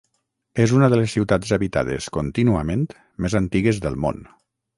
És una de les ciutats habitades contínuament més antigues del món.